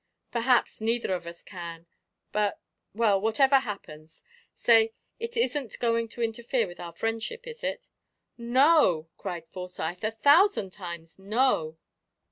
"Perhaps neither of us can, but well, whatever happens say, it isn't going to interfere with our friendship, is it?" "No!" cried Forsyth; "a thousand times, no!"